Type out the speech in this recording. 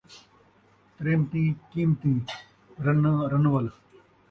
تریمتیں قیمتیں، رناں رنول